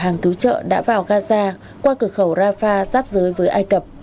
hàng cứu trợ đã vào gaza qua cửa khẩu rafah giáp giới với ai cập